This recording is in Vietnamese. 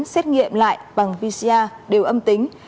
xét nghiệm lại bằng pcr đều âm tính